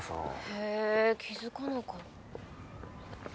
へえ気付かなかった。